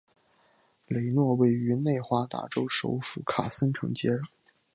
雷诺位于内华达州首府卡森城接壤。